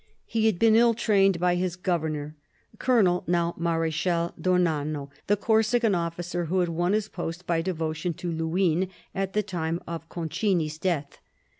He had been ill trained by his governor. Colonel— now Mar6chal — d'Ornano, the Corsican officer who had won his post by devotion to Luynes at the time of Concini's death.